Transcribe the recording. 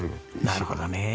なるほどねえ。